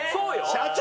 社長！